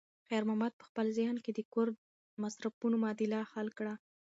خیر محمد په خپل ذهن کې د کور د مصرفونو معادله حل کړه.